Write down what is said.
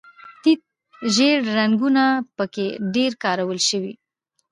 تت ژیړ رنګونه په کې ډېر کارول شوي.